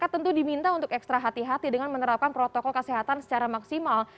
tentu diminta untuk ekstra hati hati dengan menerapkan protokol kesehatan secara maksimal